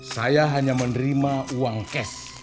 saya hanya menerima uang cash